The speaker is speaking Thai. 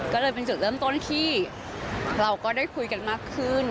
ก็เลยเป็นจุดเริ่มต้นที่เราก็ได้คุยกันมากขึ้น